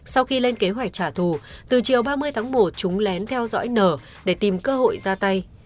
sau khi lên kế hoạch trả thù từ chiều ba mươi tháng một chúng lén theo dõi nở để tìm cơ hội ra tay